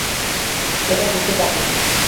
এটা হতে পারেনা।